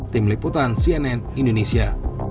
tim liputan cnn indonesia